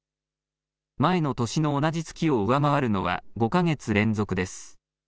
前の年の同じ月を上回るのは５か月連続です。